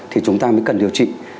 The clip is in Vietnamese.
thì chúng ta mới cần điều trị